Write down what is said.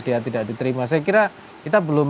dia tidak diterima saya kira kita belum